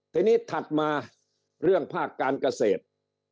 ทีนี้ถัดมาเรื่องภาคการเกษตร